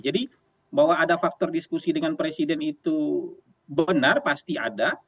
jadi bahwa ada faktor diskusi dengan presiden itu benar pasti ada